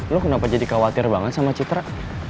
lo kenapa jadi khawatir banget sama citra